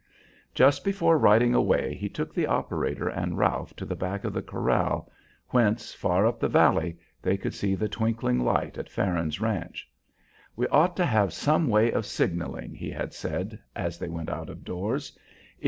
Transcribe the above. Just before riding away he took the operator and Ralph to the back of the corral, whence, far up the valley, they could see the twinkling light at Farron's ranch. "We ought to have some way of signalling," he had said as they went out of doors.